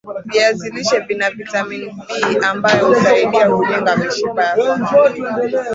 viazi lishe Vina vitamini B ambayo husaidia kujenga mishipa ya faham